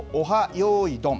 よいどん。